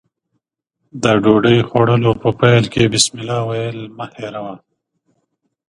د ډوډۍ خوړلو په پیل کې بسمالله ويل مه هېروه.